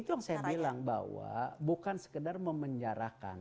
itu yang saya bilang bahwa bukan sekedar memenjarakan